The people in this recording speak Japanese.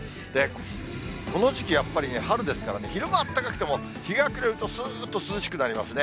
この時期やっぱりね、春ですから、昼間あったかくても日が暮れるとすーっと涼しくなりますね。